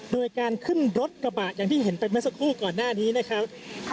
โดยการขึ้นรถกระบะอย่างที่เห็นไปเมื่อสักครู่ก่อนหน้านี้นะครับ